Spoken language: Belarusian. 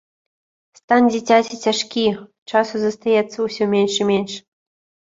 Стан дзіцяці цяжкі, часу застаецца ўсё менш і менш.